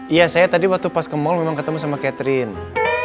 iya saya tadi waktu pas ke mal memang ketemu sama catherine